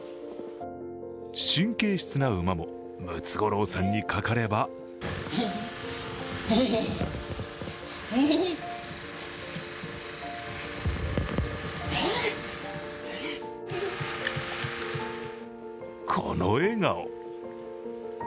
神経質な馬もムツゴロウさんにかかればこの笑顔。